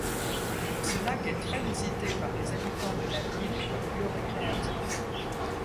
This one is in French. Ce lac est très visité par les habitants de la ville, comme lieu récréatif.